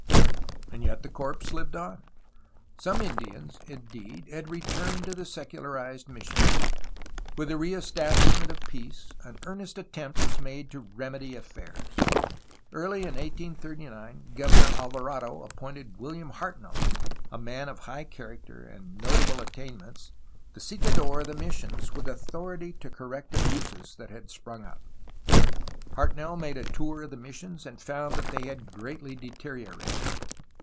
And yet the corpse lived on. Some Indians, indeed, re turned to the secularized missions. With the re establish ment of peace, an earnest attempt was made to remedy affairs. Early in 1839 Governor Alvarado appointed William Hartnell (a man of high character and notable attainments) visitador of the missions, with authority to correct abuses that had sprung up. Hartnell made a tour of the missions, and found that they had greatly deteriorated.